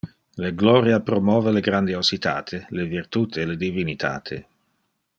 Le gloria promove le grandiositate, le virtute le divinitate.